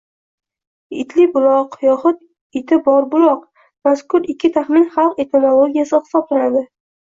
. Itli buloq yoxud iti bor buloq. Mazkur ikki taxmin xalq etimologiyasi hisoblanadi.